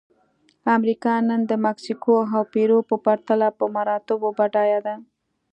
امریکا نن د مکسیکو او پیرو په پرتله په مراتبو بډایه ده.